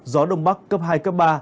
gió đông bắc cấp hai cấp ba